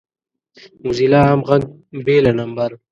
موزیلا عام غږ بې له نمبر